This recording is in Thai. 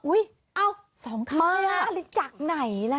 อุ๊ยเอามาแล้วจากไหนละนี่มาแล้ว